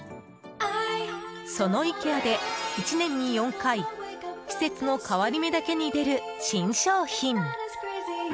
そのイケアで１年に４回季節の変わり目にだけに出る新商品。